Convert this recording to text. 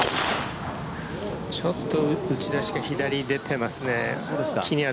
ちょっと打ち出しが左に出ていますね。